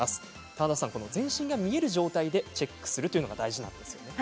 棚田さん、全身が見える状態でチェックするのが大事なんですよね。